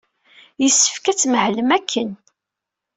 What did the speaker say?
Yessefk ad tmahlem akken.